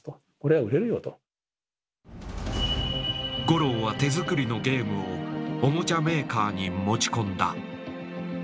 五郎は手作りのゲームをおもちゃメーカーに持ち込んだ。